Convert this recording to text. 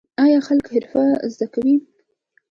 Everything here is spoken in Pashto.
آیا خلک حرفه زده کوي؟